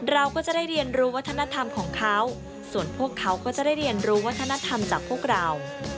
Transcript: เราก็จะได้เรียนรู้วัฒนธรรมของเขาส่วนพวกเขาก็จะได้เรียนรู้วัฒนธรรมจากพวกเรา